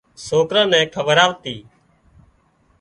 سوڪران نين کوَراَتي